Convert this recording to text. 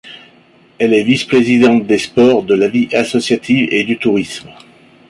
Elle est vice-présidente des sports, de la vie associative et du tourisme.